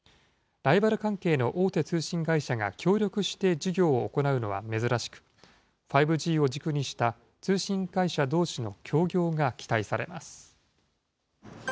ライバル関係の大手通信会社が協力して事業を行うのは珍しく、５Ｇを軸にした通信会社どうしの協業が期待されます。